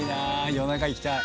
夜中行きたい。